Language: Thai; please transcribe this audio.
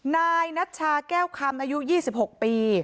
นายนัชชาแก้วคำอายุ๒๖ปี